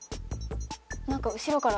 何か後ろから。